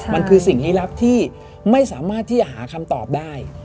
มันคือสิ่งลี้ลับที่ไม่สามารถที่จะหาคำตอบได้